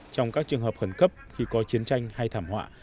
trong các trường hợp khẩn cấp khi có chiến tranh hay thảm họa